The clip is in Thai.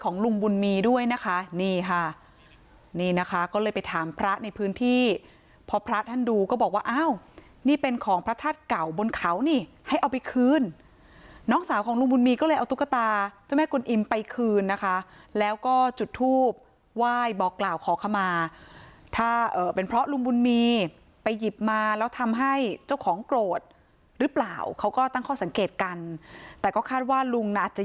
ลุงบุญมีด้วยนะคะนี่ค่ะนี่นะคะก็เลยไปถามพระในพื้นที่พอพระท่านดูก็บอกว่าอ้าวนี่เป็นของพระธาตุเก่าบนเขานี่ให้เอาไปคืนน้องสาวของลุงบุญมีก็เลยเอาตุ๊กตาเจ้าแม่กุลอิมไปคืนนะคะแล้วก็จุดทูบไหว้บอกกล่าวขอขมาถ้าเป็นเพราะลุงบุญมีไปหยิบมาแล้วทำให้เจ้าของโกรธหรือเปล่าเขาก็ตั้งข้อสังเกตกันแต่ก็คาดว่าลุง